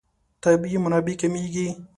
طبیعي منابع کمېږي.